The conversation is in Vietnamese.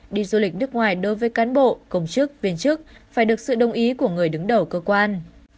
đi du lịch nước ngoài đối với cán bộ công chức viên chức phải được sự đồng ý của người đứng đầu cơ quan